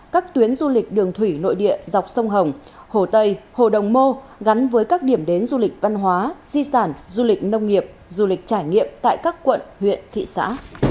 các tuyến du lịch đường thủy nội địa dọc sông hồng hồ tây hồ đồng mô gắn với các điểm đến du lịch văn hóa di sản du lịch nông nghiệp du lịch trải nghiệm tại các quận huyện thị xã